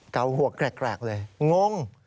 กล่าวหัวกแกรกเลยงง